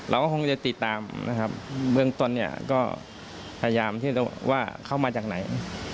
เราก็คงจะติดตามนะครับเบื้องต้นเนี่ยก็พยายามที่ว่าเข้ามาจากไหน